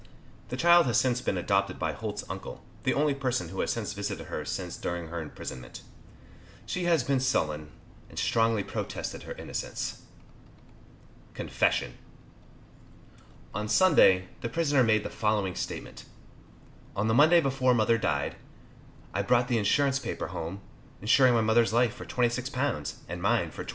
The child has since been adopted by Holt's uncle, the only person who has visited her since during her imprisonment. She has been sullen, and strongly protested her innocence. CONFESSION. On Sunday, the prisoner made the following statement: On the Monday before mother died, I brought the insurance paper home, insuring my mother's life for £26, and mine for £28.